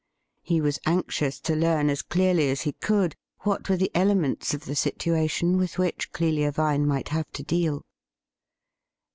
He was anxious to learn as clearly as he could what were the elements of the situation with which Clelia Vine might have to deal.